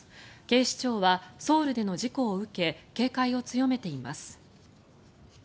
警視庁はソウルでの事故を受け警戒を強めています。